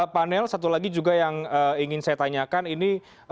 panel satu lagi juga yang ingin saya tanyakan ini